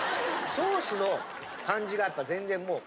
ソースの感じが全然もう。